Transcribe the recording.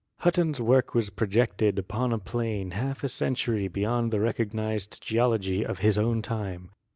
Hutton's work was projected upon a plane half a century beyond the recognised geology of his own time.